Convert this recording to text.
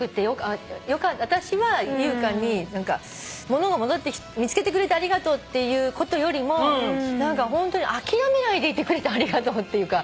あたしは優香に物が戻って見つけてくれてありがとうっていうことよりも何かホントに諦めないでいてくれてありがとうっていうか。